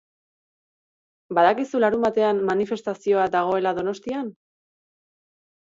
Badakizu larunbatean manifestazioa dagoela Donostian?